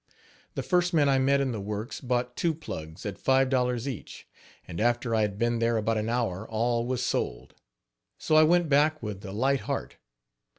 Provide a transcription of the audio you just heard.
The first man I met in the works bought two plugs, at five dollars each; and after I had been there about an hour all was sold. So I went back with a light heart.